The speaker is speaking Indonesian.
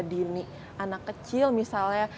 dini anak kecil misalnya